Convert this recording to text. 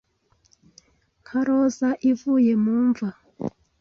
nka roza ivuye mu mva